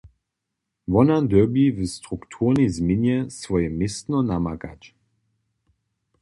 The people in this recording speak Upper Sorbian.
Wona dyrbi w strukturnej změnje swoje městno namakać.